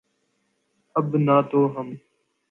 اب نہ تو ہم